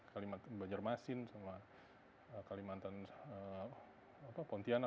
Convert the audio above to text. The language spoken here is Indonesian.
kalimantan banjarmasin sama kalimantan pontianak